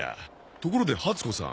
ところで初子さん。